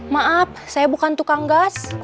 maaf saya bukan tukang gas